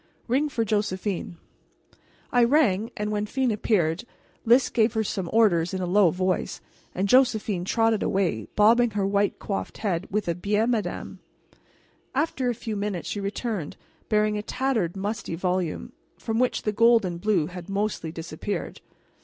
Ring for Josephine." I rang, and, when 'Fine appeared, Lys gave her some orders in a low voice, and Josephine trotted away, bobbing her white coiffed head with a "Bien, Madame!" After a few minutes she returned, bearing a tattered, musty volume, from which the gold and blue had mostly disappeared.